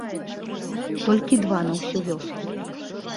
Толькі два на ўсю вёску.